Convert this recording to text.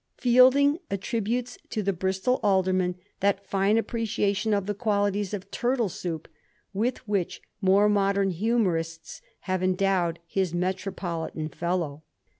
Fielding attributes to the Bristol Alderman that fine appreciation of the qualities of turtle soup with which more modem humorists have endowed his metropolitan fellow.